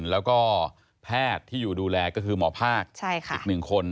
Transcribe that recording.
แล้วก็แพทย์ที่อยู่ดูแลก็คือหมอภาคอีก๑คน